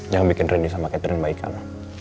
yang bikin rindy sama catherine baikan